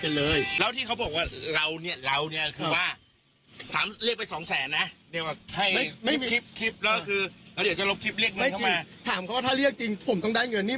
ถามเขาว่าถ้าเรียกจริงผมต้องได้เงินนี่